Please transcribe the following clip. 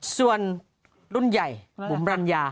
ส่วนรุ่นใหญ่บุ๋มรัญญา